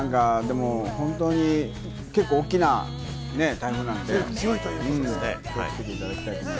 本当に結構、大きな台風なので、気をつけていただきたいです。